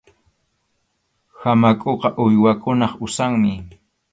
Hamakʼuqa uywakunap usanmi.